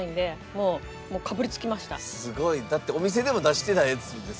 すごい。だってお店でも出してないやつですもんね？